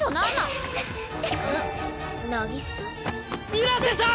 水瀬さん！